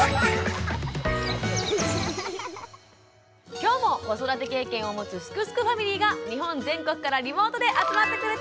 今日も子育て経験を持つ「すくすくファミリー」が日本全国からリモートで集まってくれています！